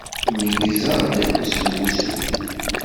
Neggzeɣ-d seg wusu.